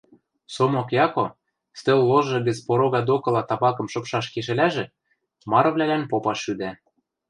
Сомок Яко, стӧл ложы гӹц порогы докыла табакым шыпшаш кешӹлӓжӹ, марывлӓлӓн попаш шӱдӓ.